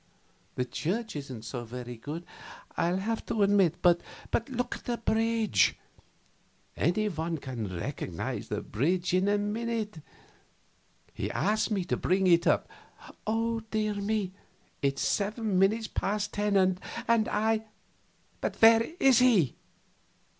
The church isn't so very good, I'll have to admit, but look at the bridge any one can recognize the bridge in a minute. He asked me to bring it up.... Dear me! it's seven minutes past ten, and I " "But where is he?"